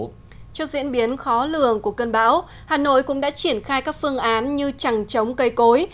trước diễn biến khó lường của cơn bão hà nội cũng đã triển khai các phương án như chẳng chống cây cối